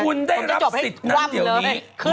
คุณได้รับสิทธิ์นั้นเดี๋ยวนี้